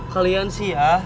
kalian sih ya